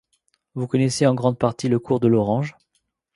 vous connaissez en grande partie le cours de l’Orange ?